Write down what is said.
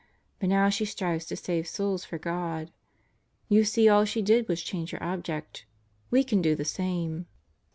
But now she strives to save souls for God. You see all she did was change her object. We can do the same.